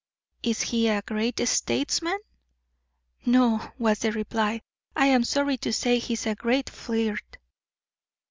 "Is he a great statesman?" "No," was the reply; "I am sorry to say he is a great flirt."